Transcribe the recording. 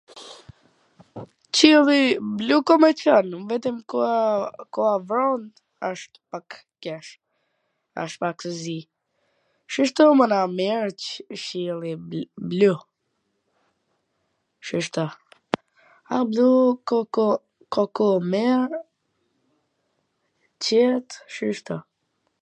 Qielli blu nul mw pwlqen, vetwm ko koha vrant asht pak qef, asht pak i zi, shishto mana mir, qielli blu, shishto....